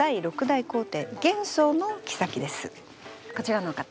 私はこちらの方。